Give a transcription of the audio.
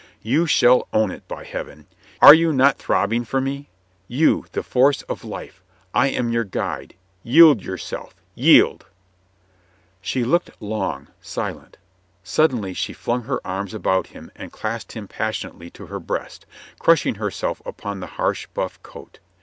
"You shall own it, by Heaven! Are you not throb bing for me? You, the force of life. I am your guide. Yield yourself. Yield !" She looked long, silent. ... Suddenly she flung her arms about him and clasped him passion ately to her breast, crushing herself upon the harsh buff coat.